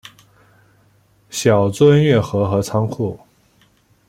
小樽运河和仓库